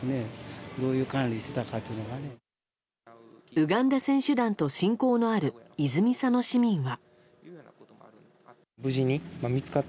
ウガンダ選手団と親交のある泉佐野市民は。